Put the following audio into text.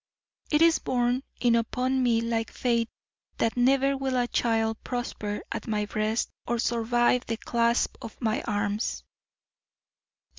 It is borne in upon me like fate that never will a child prosper at my breast or survive the clasp of my arms.